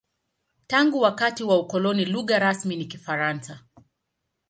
Tangu wakati wa ukoloni, lugha rasmi ni Kifaransa.